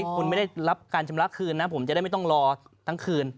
คุณไม่ได้รับการชำระคืนนะผมจะได้ไม่ต้องรอทั้งคืน